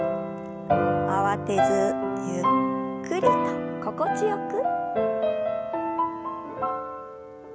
慌てずゆっくりと心地よく。